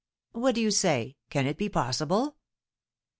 What do you say? Can it be possible?"